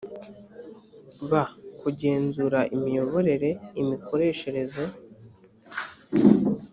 b kugenzura imiyoborere imikoreshereze